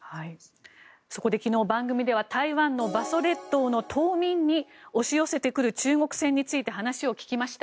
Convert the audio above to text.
そこで昨日番組では台湾の馬祖列島の島民に押し寄せてくる中国船について話を聞きました。